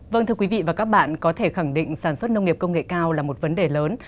vâng thưa quý vị và các bạn có thể khẳng định sản xuất nông nghiệp công nghệ cao là một vấn đề lớn